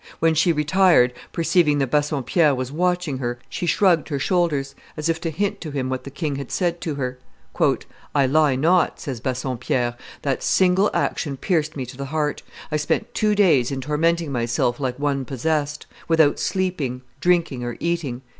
When she retired, perceiving that Bassompierre was watching her, she shrugged her shoulders, as if to hint to him what the king had said to her. "I lie not," says Bassompierre: "that single action pierced me to the heart; I spent two days in tormenting myself like one possessed, without sleeping, drinking, or eating."